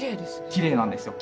きれいなんですよ。